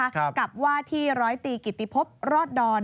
กับว่าที่ร้อยตีกิติพบรอดดอน